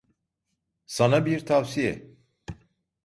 Sana bir tavsiye.